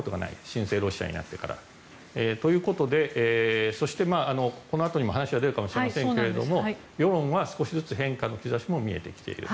新生ロシアになってからは。ということで、このあとにも話が出るかもしれませんが世論は少しずつ変化の兆しも見えてきている。